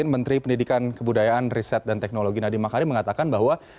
menteri pendidikan kebudayaan riset dan teknologi nadiem makarim mengatakan bahwa